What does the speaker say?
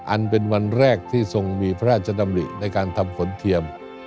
อันเป็นวันแรกที่ทรงมีพระราชดำริในการทำฝนเทียม